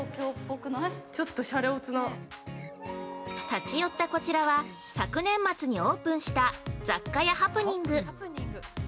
◆立ち寄ったこちらは、昨年末にオープンした雑貨屋「ハプニング」。